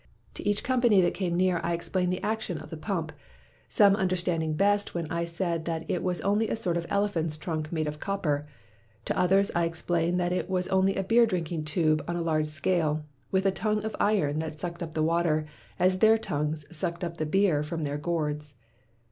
To each company that came near I explained the action of the pump, some understanding best when I said that it was only a sort of elephant's trunk made of copper. To others I explained that it was only a beer drinking tube on a large scale, with a tongue of iron that sucked up the water, as their tongues sucked up the beer from their gourds.